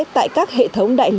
tại các tòa nhà của tổng đài tp hcm